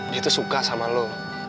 dia tuh suka sama lo